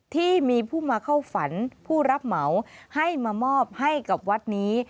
ที่มีผู้มาเข้าฝันผู้รับเหมาให้มามอบให้กับวัดนี้